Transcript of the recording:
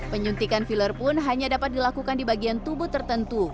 penyuntikan filler pun hanya dapat dilakukan di bagian tubuh tertentu